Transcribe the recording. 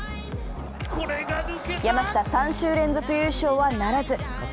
山下、３週連続優勝はならず。